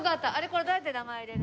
これどうやって名前入れるの？